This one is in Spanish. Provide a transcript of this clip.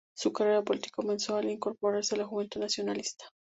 Su carrera política comenzó al incorporarse en la Juventud Nacionalista.